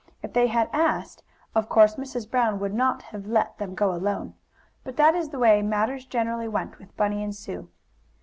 If they had asked, of course, Mrs. Brown would not have let them go alone. But that is the way matters generally went with Bunny and Sue.